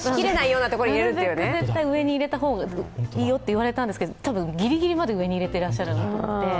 なるべく上に入れた方がいいよと言われたんですけど多分ギリギリまで上に入れていらっしゃるので。